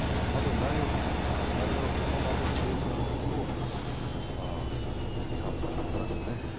内容がこのままだんだんよくなっていくと、チャンスはありますよ